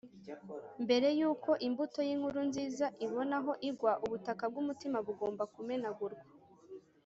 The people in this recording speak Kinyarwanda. ,. Mbere yuko imbuto y’inkuru nziza ibona aho igwa, ubutaka bw’umutima bugomba kumenagurwa.